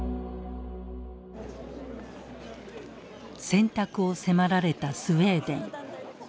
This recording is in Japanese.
選択を迫られたスウェーデン。